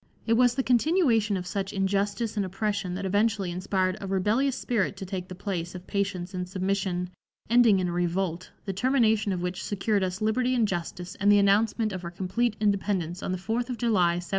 It was the continuation of such injustice and oppression that eventually inspired a rebellious spirit to take the place of patience and submission, ending in a revolt, the termination of which secured us liberty and justice and the announcement of our complete independence on the 4th of July, 1776.